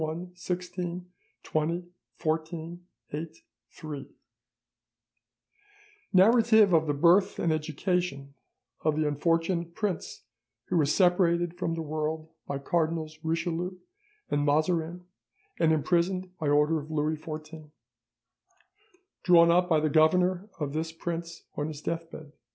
"'NARRATIVE OF THE BIRTH AND EDUCATION OF THE UNFORTUNATE PRINCE WHO WAS SEPARATED FROM THE WORLD BY CARDINALS RICHELIEU AND MAZARIN AND IMPRISONED BY ORDER OF LOUIS XIV. "'Drawn up by the Governor of this Prince on his deathbed.